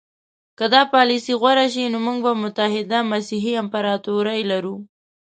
که دا پالیسي غوره شي نو موږ به متحده مسیحي امپراطوري لرو.